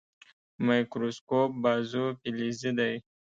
مایکروسکوپ بازو فلزي دی.